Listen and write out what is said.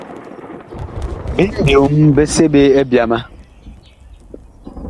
Biŋ byom bi seɓe byama.